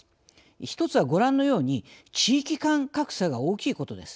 １つはご覧のように地域間格差が大きいことです。